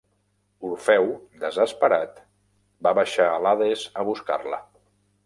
Orfeu, desesperat, va baixar a l'Hades a buscar-la.